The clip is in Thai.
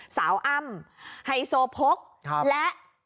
สาวอั้มไฮโซพกและ